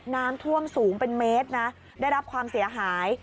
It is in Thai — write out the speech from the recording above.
น้ำท่วมสูงเป็นเมตรนะได้รับความเสียหาย